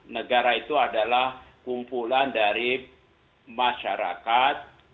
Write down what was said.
negara itu adalah kumpulan dari masyarakat